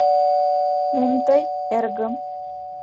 — Мом тый, эргым.